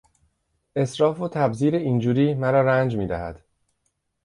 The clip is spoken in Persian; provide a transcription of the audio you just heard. اسراف و تبذیر این جوری مرا رنج میدهد.